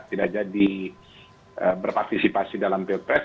tidak jadi berpartisipasi dalam pilpres